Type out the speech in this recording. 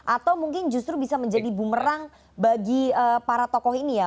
atau mungkin justru bisa menjadi bumerang bagi para tokoh ini ya